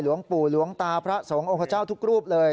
หลวงปู่หลวงตาพระสงฆ์องค์พระเจ้าทุกรูปเลย